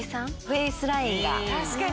フェースラインが。